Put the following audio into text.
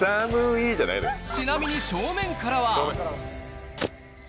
ちなみに正面からは。